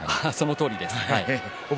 そのとおりです。